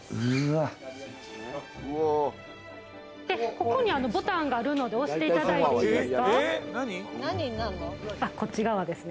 ここにボタンがあるので押していただいていいですか？